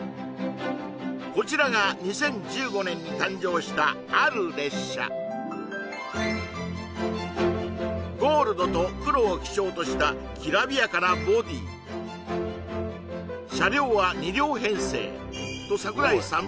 こちらが２０１５年に誕生したゴールドと黒を基調としたきらびやかなボディー車両は２両編成と櫻井さん